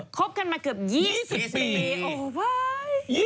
โอ้ครบกันมาเกือบ๒๐ปี